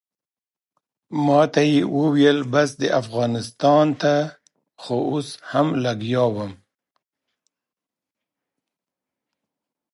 ماته یې وویل بس ده افغانستان ته خو اوس هم لګیا وم.